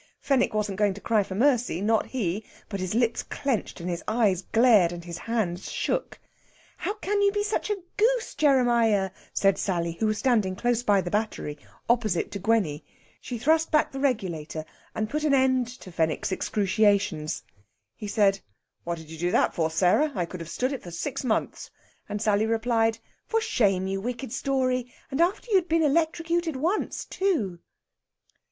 Fenwick wasn't going to cry for mercy not he! But his lips clenched and his eyes glared, and his hands shook. "How can you be such a goose, Jeremiah?" said Sally, who was standing close by the battery, opposite to Gwenny. She thrust back the regulator, and put an end to Fenwick's excruciations. He said, "What did you do that for, Sarah? I could have stood it for six months." And Sally replied: "For shame, you wicked story! And after you'd been electrocuted once, too!"